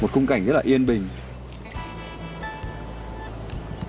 một khung cảnh rất là yên bình